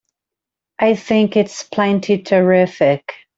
I think it's plenty terrific!